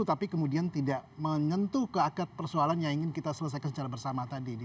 tapi kemudian tidak menyentuh ke akad persoalan yang ingin kita selesaikan secara bersama tadi